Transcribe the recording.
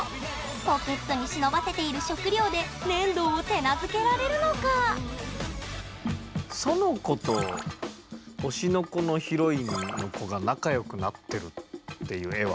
ポケットに忍ばせている食料で燃堂を手なずけられるのか⁉園子と「推しの子」のヒロインの子が仲良くなってるっていう絵はあるんでしょうか。